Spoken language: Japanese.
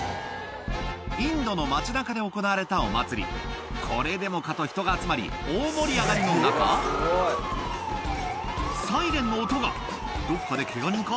インドの街中で行われたお祭りこれでもかと人が集まり大盛り上がりの中サイレンの音がどこかでケガ人か？